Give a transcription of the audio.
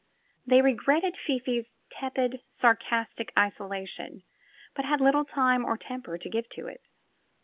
They rei gretted Fifi's tepid, sarcastic isolation, but had little time or temper to give to it.